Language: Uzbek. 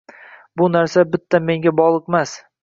– Bu narsa bitta menga bog‘liqmas